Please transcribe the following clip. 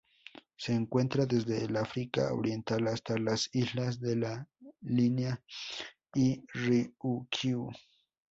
Se encuentra desde el África Oriental hasta las Islas de la Línea y Ryukyu.